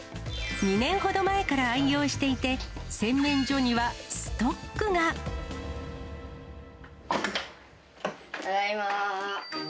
２年ほど前から愛用していて、ただいま。